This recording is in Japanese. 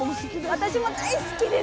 私も大好きです。